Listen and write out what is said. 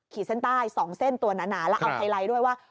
ขีดเส้นใต้๒เส้นตัวหนาแล้วเอาไฮไลท์ด้วยว่า